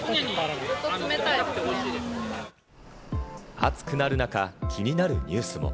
暑くなる中、気になるニュースも。